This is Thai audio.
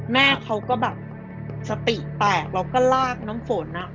แม่เขาก็แบบสติแตกแล้วก็ลากน้องฝนอ่ะ